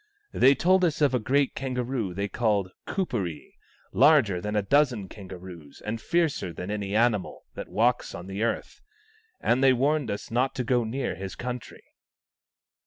They told us of a great kangaroo they call Kuperee, larger than a dozen kangaroos and fiercer than any animal that walks on the earth ; and they warned us not to go near his country."